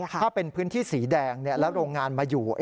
ถ้าเป็นพื้นที่สีแดงแล้วโรงงานมาอยู่